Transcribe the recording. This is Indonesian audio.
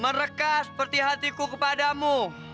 merekah seperti hatiku kepadamu